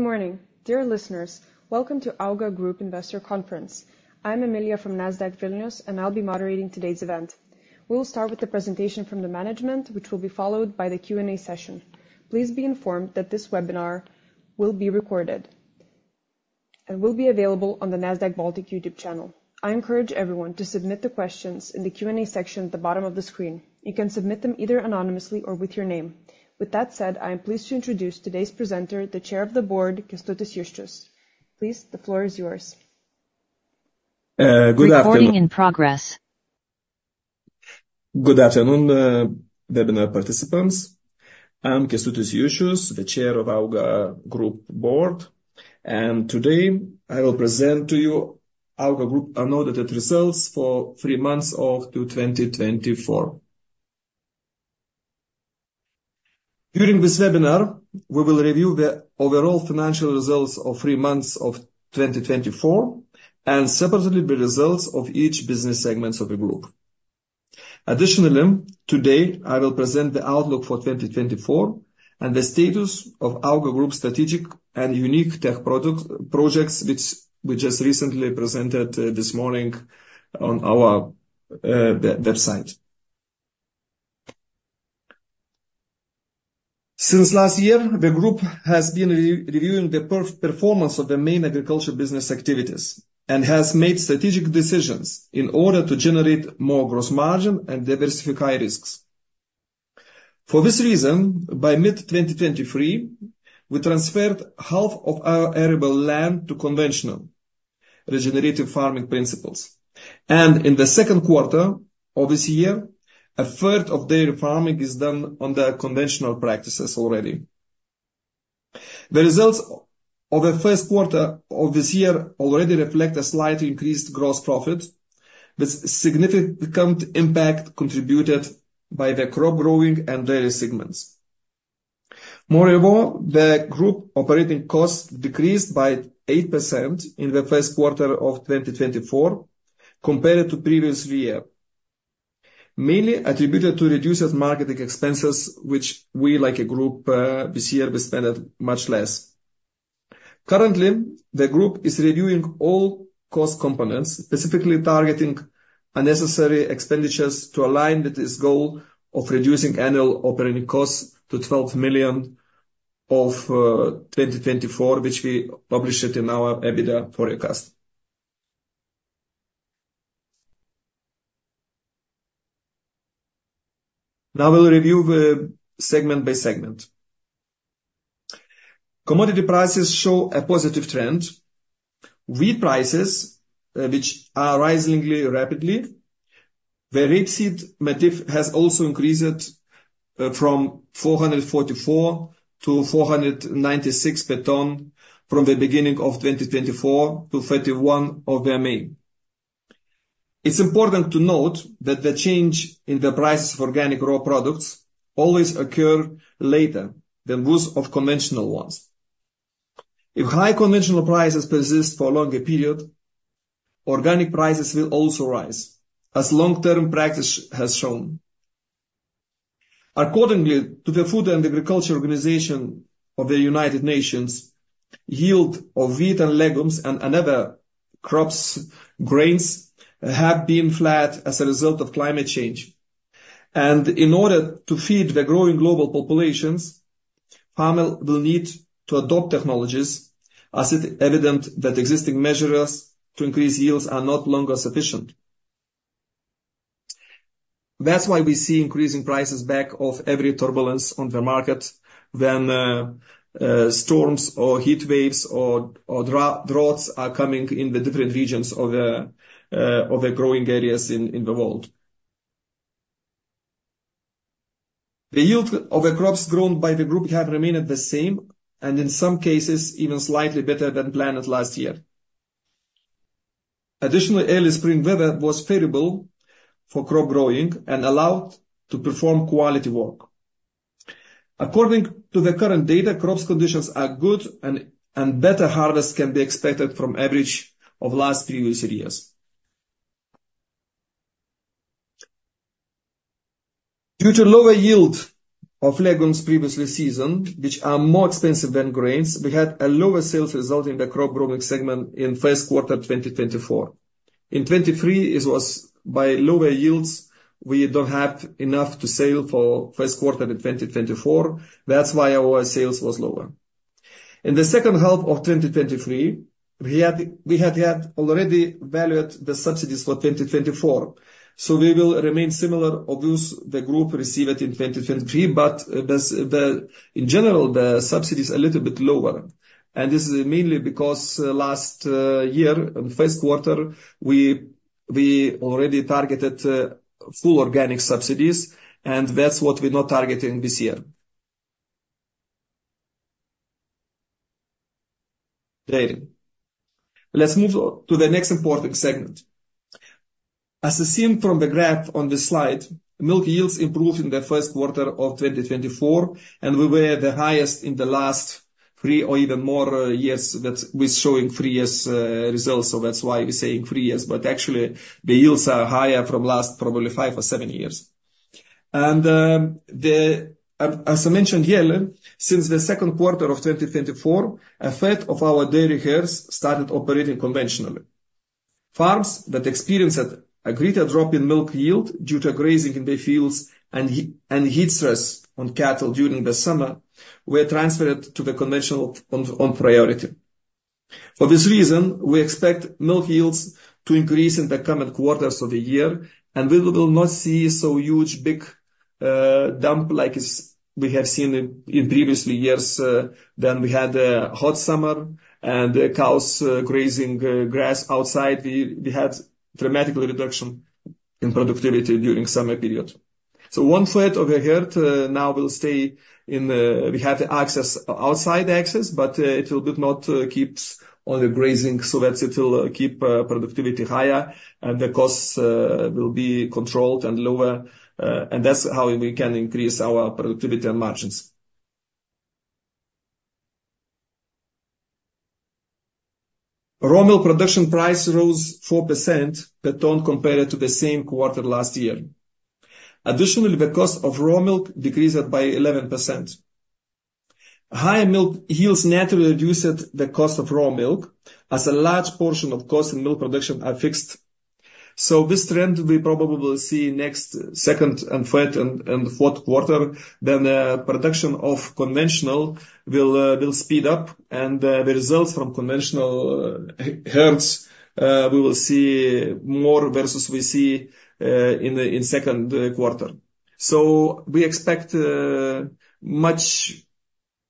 ...Good morning, dear listeners. Welcome to AUGA Group Investor Conference. I'm Emilija from Nasdaq Vilnius, and I'll be moderating today's event. We'll start with the presentation from the management, which will be followed by the Q&A session. Please be informed that this webinar will be recorded and will be available on the Nasdaq Baltic YouTube channel. I encourage everyone to submit the questions in the Q&A section at the bottom of the screen. You can submit them either anonymously or with your name. With that said, I am pleased to introduce today's presenter, the Chair of the Board, Kęstutis Juščius. Please, the floor is yours. Good afternoon. Recording in progress. Good afternoon, webinar participants. I'm Kęstutis Juščius, the Chair of the Board of AUGA group, and today I will present to you AUGA group unaudited results for three months of 2024. During this webinar, we will review the overall financial results of three months of 2024, and separately, the results of each business segments of the group. Additionally, today, I will present the outlook for 2024, and the status of AUGA group strategic and unique tech product projects, which we just recently presented this morning on our website. Since last year, the group has been reviewing the performance of the main agriculture business activities and has made strategic decisions in order to generate more gross margin and diversify high risks. For this reason, by mid-2023, we transferred half of our arable land to conventional regenerative farming principles, and in the second quarter of this year, a third of dairy farming is done on the conventional practices already. The results of the first quarter of this year already reflect a slightly increased gross profit, with significant impact contributed by the crop growing and dairy segments. Moreover, the group operating costs decreased by 8% in the first quarter of 2024, compared to previous year. Mainly attributed to reduced marketing expenses, which we, like a group, this year, we spent much less. Currently, the group is reviewing all cost components, specifically targeting unnecessary expenditures to align with this goal of reducing annual operating costs to 12 million of 2024, which we published it in our EBITDA forecast. Now, we'll review the segment by segment. Commodity prices show a positive trend. Wheat prices, which are rising rapidly, the wheat market has also increased, from 444-496 per ton from the beginning of 2024 to May 31. It's important to note that the change in the prices of organic raw products always occur later than those of conventional ones. If high conventional prices persist for a longer period, organic prices will also rise, as long-term practice has shown. According to the Food and Agriculture Organization of the United Nations, yield of wheat and legumes and other crops, grains, have been flat as a result of climate change. In order to feed the growing global populations, farmers will need to adopt technologies, as it is evident that existing measures to increase yields are no longer sufficient. That's why we see increasing prices because of every turbulence on the market when storms or heat waves or droughts are coming in the different regions of the growing areas in the world. The yield of the crops grown by the group have remained the same, and in some cases, even slightly better than planned last year. Additional early spring weather was favorable for crop growing and allowed to perform quality work. According to the current data, crop conditions are good, and better harvests can be expected from average of last three recent years. Due to lower yield of legumes previous season, which are more expensive than grains, we had a lower sales result in the crop growing segment in first quarter 2024. In 2023, it was by lower yields, we don't have enough to sell for first quarter in 2024. That's why our sales was lower. In the second half of 2023, we had already valued the subsidies for 2024, so we will remain similar of those the group received it in 2023. But, in general, the subsidy is a little bit lower, and this is mainly because last year, in the first quarter, we already targeted full organic subsidies, and that's what we're not targeting this year. Dairy. Let's move on to the next important segment. As is seen from the graph on this slide, milk yields improved in the first quarter of 2024, and we were the highest in the last three or even more years, that we're showing three years results, so that's why we're saying three years. But actually, the yields are higher from last, probably five or seven years... As I mentioned yearly, since the second quarter of 2024, a third of our dairy herds started operating conventionally. Farms that experienced a greater drop in milk yield due to grazing in the fields and and heat stress on cattle during the summer were transferred to the conventional on priority. For this reason, we expect milk yields to increase in the coming quarters of the year, and we will not see so huge, big, dump like we have seen in previous years than we had a hot summer, and the cows grazing grass outside. We had dramatic reduction in productivity during summer period. So one third of the herd now will stay in the—we have the access, outside access, but it will not keeps on the grazing, so that it will keep productivity higher and the costs will be controlled and lower, and that's how we can increase our productivity and margins. Raw milk production price rose 4% per ton, compared to the same quarter last year. Additionally, the cost of raw milk decreased by 11%. Higher milk yields naturally reduced the cost of raw milk, as a large portion of cost in milk production are fixed. So this trend, we probably will see next second and third and fourth quarter, then production of conventional will speed up, and the results from conventional herds we will see more versus we see in the second quarter. So we expect much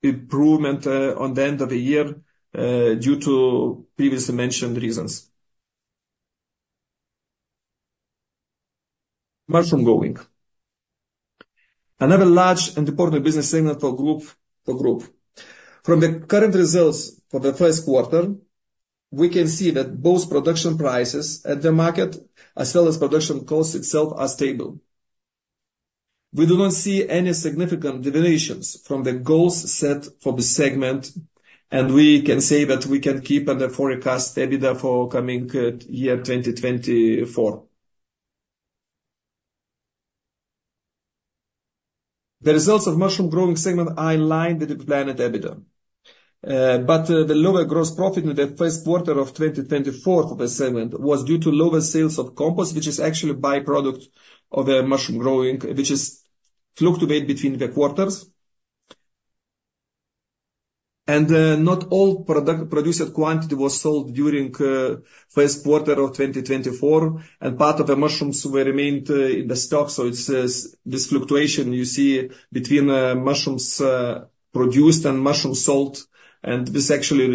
improvement on the end of the year due to previously mentioned reasons. Mushroom growing. Another large and important business segment for group. From the current results for the first quarter, we can see that both production prices at the market, as well as production costs itself, are stable. We do not see any significant deviations from the goals set for the segment, and we can say that we can keep and the forecast EBITDA for coming year 2024. The results of mushroom growing segment are in line with the planned EBITDA. But the lower gross profit in the first quarter of 2024 for the segment was due to lower sales of compost, which is actually by-product of the mushroom growing, which is fluctuate between the quarters. And not all produced quantity was sold during first quarter of 2024, and part of the mushrooms were remained in the stock. So it's this, this fluctuation you see between mushrooms produced and mushrooms sold, and this actually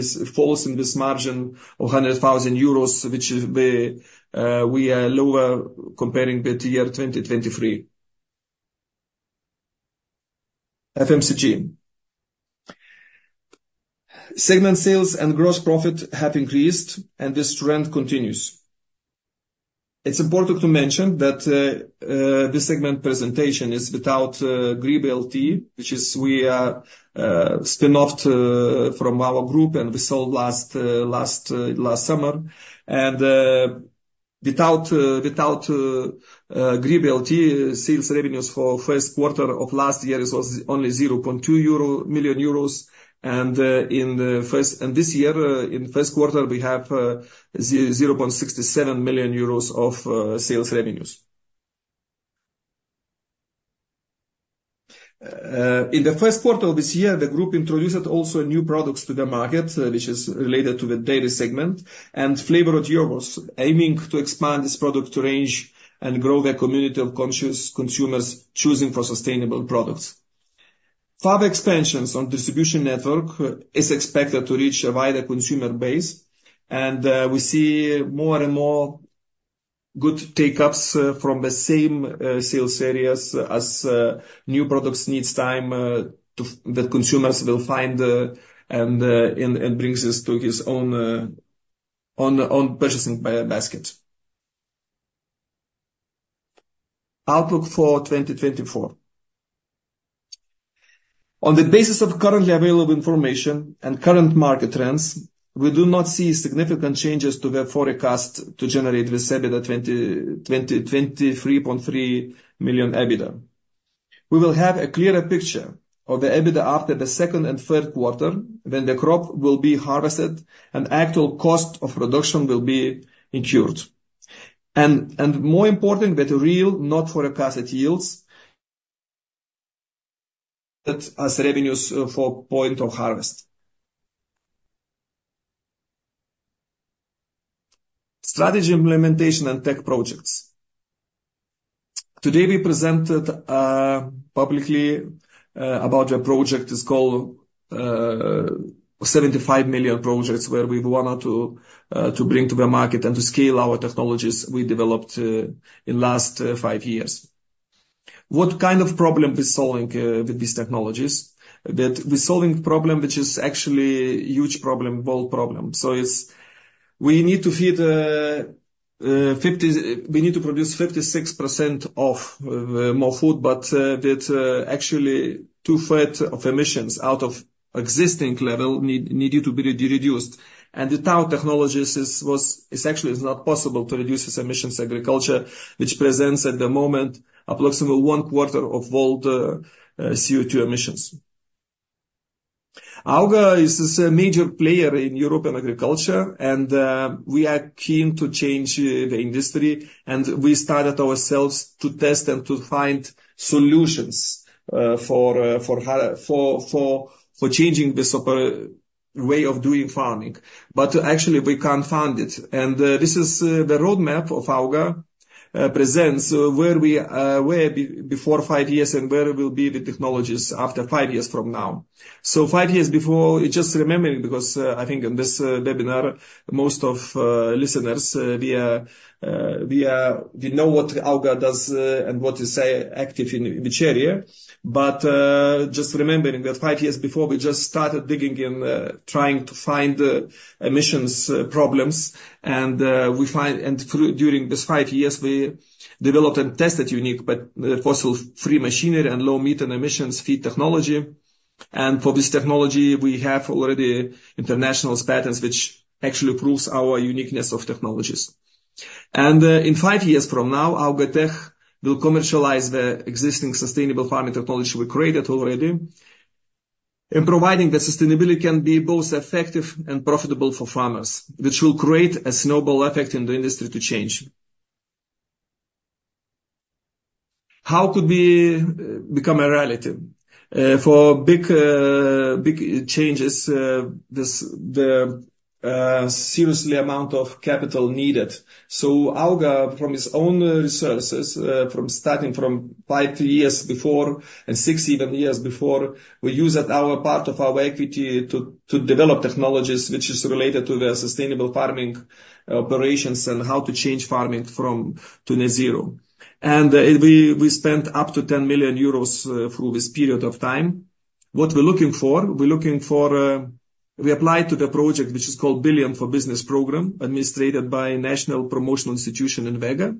is the fall in this margin of 100,000 euros, which is the we are lower comparing the year 2023. FMCG. Segment sales and gross profit have increased, and this trend continues. It's important to mention that this segment presentation is without Grybai LT, which we spun off from our group, and we sold last summer. Without Grybai LT, sales revenues for first quarter of last year is only 0.2 million euro, and in the first quarter this year, we have 0.67 million euros of sales revenues. In the first quarter of this year, the group introduced also new products to the market, which is related to the dairy segment, and flavored yogurts, aiming to expand this product range and grow the community of conscious consumers choosing for sustainable products. Further expansions on distribution network is expected to reach a wider consumer base, and we see more and more good take-ups from the same sales areas as new products needs time to that consumers will find, and brings us to its own purchasing basket. Outlook for 2024. On the basis of currently available information and current market trends, we do not see significant changes to the forecast to generate this EBITDA 20.3 million EBITDA. We will have a clearer picture of the EBITDA after the second and third quarter, when the crop will be harvested and actual cost of production will be incurred. And more important, that real not forecasted yields that as revenues for point of harvest. Strategy implementation and tech projects. Today, we presented publicly about a project called 75 million project, where we wanted to bring to the market and to scale our technologies we developed in last five years. What kind of problem we're solving with these technologies? That we're solving problem, which is actually huge problem, world problem. So it's we need to feed. We need to produce 56% more food, but actually two-thirds of emissions out of existing level need to be reduced. And without technologies, it's actually not possible to reduce these emissions agriculture, which presents at the moment approximately one quarter of all the CO2 emissions. Auga is a major player in European agriculture, and we are keen to change the industry, and we started ourselves to test and to find solutions for changing this way of doing farming. But actually we can't fund it. And this is the roadmap of Auga presents where we were before five years and where will be the technologies after five years from now. So five years before, just remembering, because I think in this webinar, most of listeners we know what Auga does and what is active in which area. But just remembering that five years before, we just started digging in trying to find emissions problems. We find and through during this five years, we developed and tested unique but the fossil-free machinery and low methane emissions feed technology. For this technology, we have already international patents, which actually proves our uniqueness of technologies. In five years from now, Auga Tech will commercialize the existing sustainable farming technology we created already. In providing the sustainability can be both effective and profitable for farmers, which will create a snowball effect in the industry to change. How could we become a reality? For big big changes, this the serious amount of capital needed. So Auga from its own resources, from starting from five years before and six even years before, we used our part of our equity to develop technologies which is related to the sustainable farming operations and how to change farming from to net zero. We spent up to 10 million euros through this period of time. What we're looking for? We're looking for a. We applied to the project, which is called Billion for Business Program, administered by INVEGA.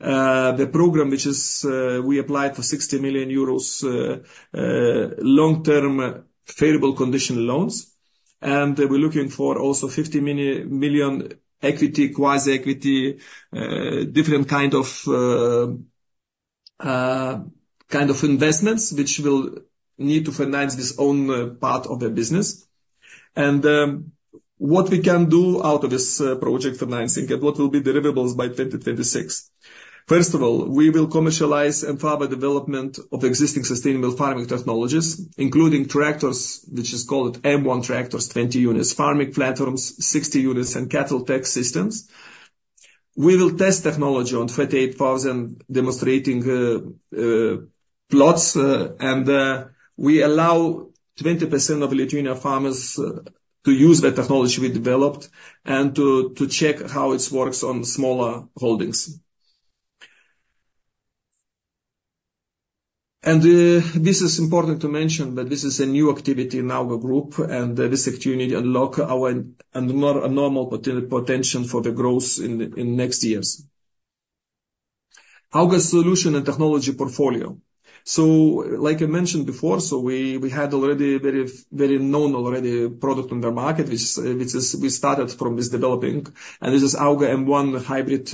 The program, which is, we applied for 60 million euros long-term favorable condition loans, and we're looking for also 50 million equity, quasi-equity, different kind of investments, which will need to finance this own part of the business. And, what we can do out of this project financing and what will be deliverables by 2026? First of all, we will commercialize and further development of existing sustainable farming technologies, including tractors, which is called M1 tractors, 20 units, farming platforms, 60 units, and cattle tech systems. We will test technology on 38,000, demonstrating plots, and we allow 20% of Lithuanian farmers to use the technology we developed and to check how it works on smaller holdings. This is important to mention that this is a new activity in AUGA group, and this activity unlock our normal potential for the growth in next years. AUGA solution and technology portfolio. So like I mentioned before, so we had already very known already product on the market, which is, we started from this developing, and this is AUGA M1 hybrid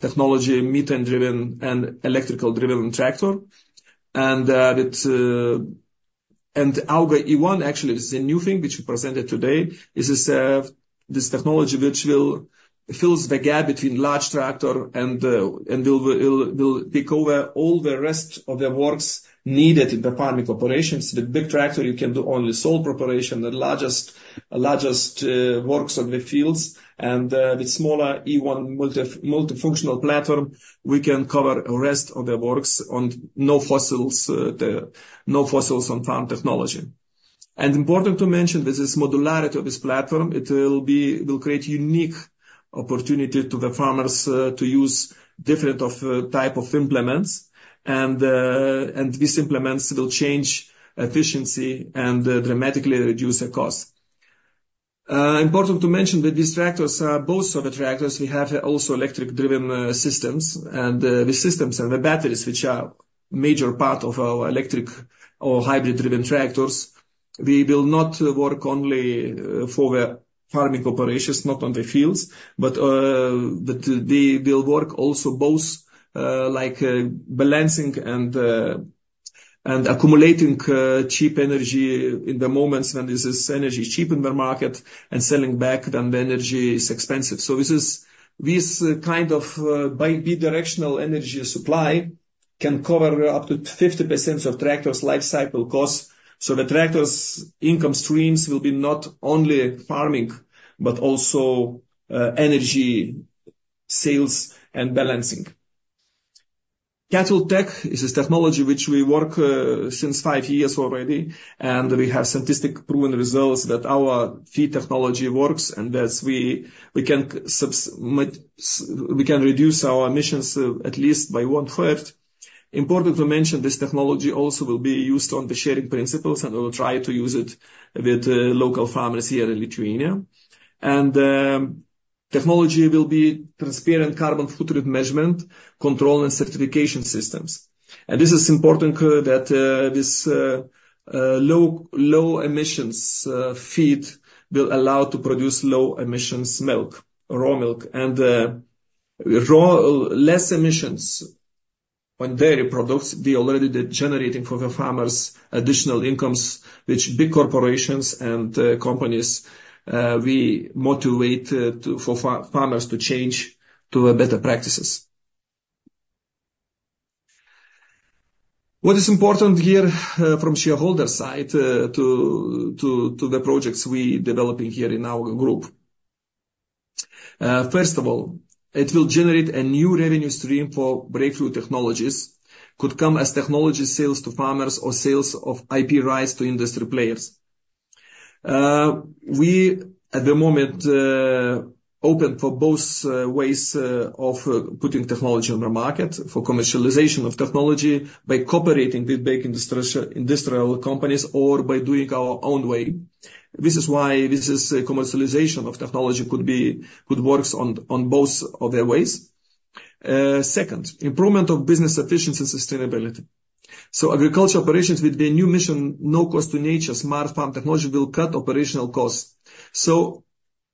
technology, methane-driven and electrical-driven tractor. And it... AUGA E1, actually, this is a new thing which we presented today, is this, this technology, which will fills the gap between large tractor and, and will take over all the rest of the works needed in the farming operations. The big tractor, you can do only soil preparation, the largest, largest, works on the fields, and, the smaller E1 multifunctional platform, we can cover a rest of the works on no fossils, the no fossils on farm technology. Important to mention, this is modularity of this platform. It will create unique opportunity to the farmers, to use different of, type of implements, and, and these implements will change efficiency and dramatically reduce the cost. Important to mention that these tractors are both of the tractors. We have also electric-driven systems, and the systems and the batteries, which are major part of our electric or hybrid-driven tractors. We will not work only for the farming operations, not on the fields, but they will work also both, like, balancing and accumulating cheap energy in the moments when this is energy cheap in the market and selling back when the energy is expensive. So this is this kind of bi-directional energy supply can cover up to 50% of tractors lifecycle costs. So the tractors income streams will be not only farming, but also energy sales and balancing. Cattle tech is a technology which we work since 5 years already, and we have statistically proven results that our feed technology works, and that we can reduce our emissions at least by one third. Important to mention, this technology also will be used on the sharing principles, and we will try to use it with local farmers here in Lithuania. Technology will be transparent carbon footprint measurement, control, and certification systems. And this is important that this low emissions feed will allow to produce low emissions milk, raw milk, and raw less emissions dairy products. They already generating for the farmers additional incomes, which big corporations and companies we motivate to farmers to change to better practices. What is important here, from shareholder side, to the projects we developing here in our group? First of all, it will generate a new revenue stream for breakthrough technologies, could come as technology sales to farmers or sales of IP rights to industry players. We, at the moment, open for both ways of putting technology on the market, for commercialization of technology by cooperating with big industrial companies or by doing our own way. This is why this is a commercialization of technology could work on both of the ways. Second, improvement of business efficiency and sustainability. So agriculture operations with the new mission, no cost to nature, smart farm technology will cut operational costs. So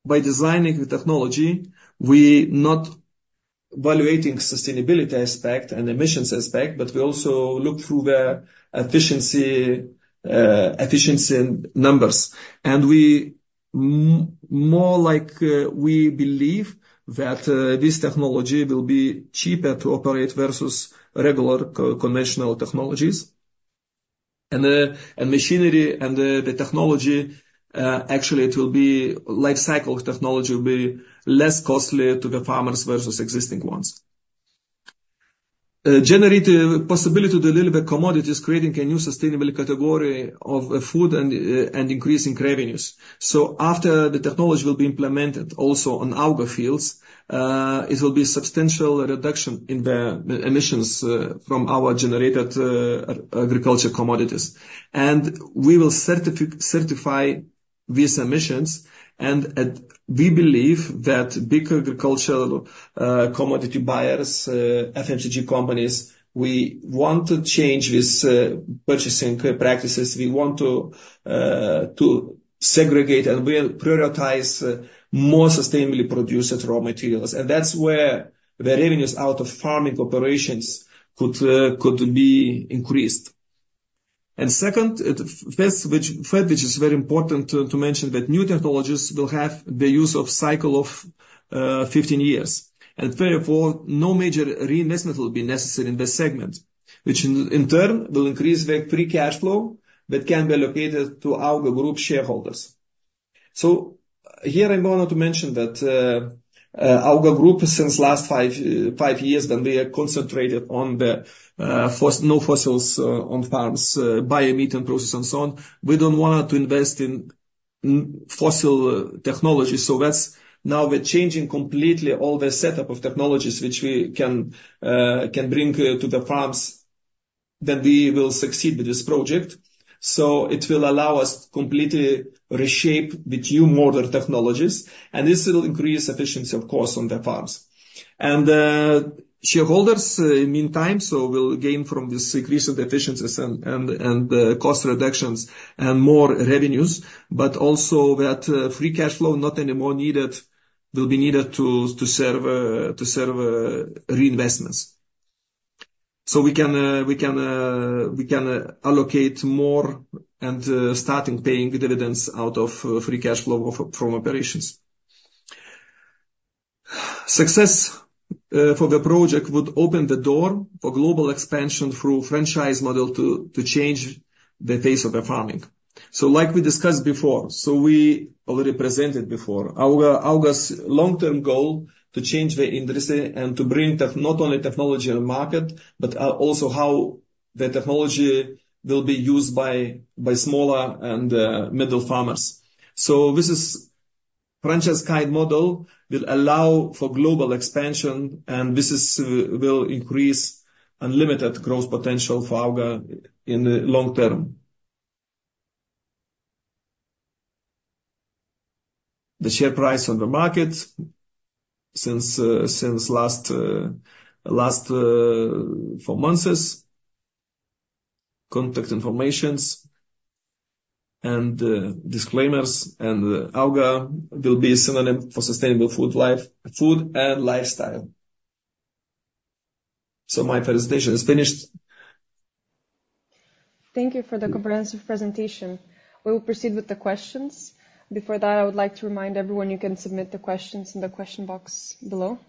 by designing the technology, we're not evaluating sustainability aspect and emissions aspect, but we also look through the efficiency, efficiency in numbers. And we more like, we believe that this technology will be cheaper to operate versus regular conventional technologies. And the machinery and the technology, actually, the lifecycle of the technology will be less costly to the farmers versus existing ones. Generate the possibility to deliver commodities, creating a new sustainable category of food and and increasing revenues. So after the technology will be implemented also on Auga fields, it will be substantial reduction in the emissions from our generated agricultural commodities. And we will certify these emissions, and we believe that big agricultural commodity buyers, FMCG companies, we want to change these purchasing practices. We want to segregate and we'll prioritize more sustainably produced raw materials, and that's where the revenues out of farming operations could be increased. Third, which is very important to mention, that new technologies will have the use cycle of 15 years, and therefore, no major reinvestment will be necessary in this segment, which in turn will increase the free cash flow that can be allocated to Auga Group shareholders. So here I wanted to mention that Auga Group, since last 5 years, that we are concentrated on the no fossils on farms, bio-methane process and so on. We don't want to invest in fossil technology, so that's... Now we're changing completely all the setup of technologies which we can bring to the farms, that we will succeed with this project. So it will allow us to completely reshape the new modern technologies, and this will increase efficiency, of course, on the farms. And shareholders meantime so will gain from this increase in efficiencies and cost reductions and more revenues, but also that free cash flow not anymore needed will be needed to serve reinvestments. So we can allocate more and starting paying dividends out of free cash flow from operations. Success for the project would open the door for global expansion through franchise model to change the face of the farming. So like we discussed before, we already presented before, AUGA's long-term goal to change the industry and to bring tech, not only technology on the market, but also how the technology will be used by smaller and middle farmers. So this is franchise kind model will allow for global expansion, and this will increase unlimited growth potential for AUGA in the long term. The share price on the market since last four months. Contact information and disclaimers, and AUGA will be a synonym for sustainable food life, food and lifestyle. So my presentation is finished. Thank you for the comprehensive presentation. We will proceed with the questions. Before that, I would like to remind everyone you can submit the questions in the question box below.